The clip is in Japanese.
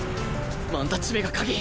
ワンタッチ目が鍵！